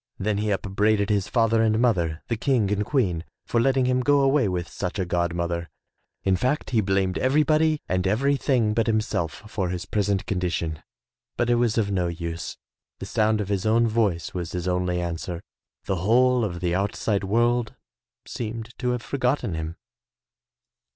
Then he upbraided his father and mother, the King and Queen, for letting him go away with such a god mother. In fact, he blamed everybody and everything but himself for his present condition, but it was of no use. The sound of his own voice was his only answer. The whole of the outside world seemed to have forgotten him.